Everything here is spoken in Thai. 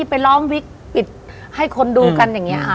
ไปล้อมวิกปิดให้คนดูกันอย่างนี้ค่ะ